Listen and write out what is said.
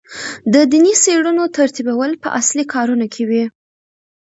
د دیني څېړنو ترتیبول په اصلي کارونو کې وي.